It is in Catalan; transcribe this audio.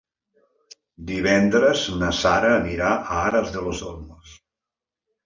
Divendres na Sara anirà a Aras de los Olmos.